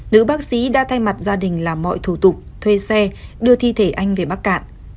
nữ bác sĩ đã thay mặt gia đình làm mọi thủ tục thuê xe đưa thi thể anh về bắc cạn